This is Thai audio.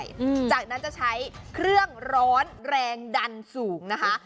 อืมจากนั้นจะใช้เครื่องร้อนแรงดันสูงนะคะ